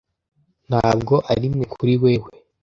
ntabwo arimwe kuri wewe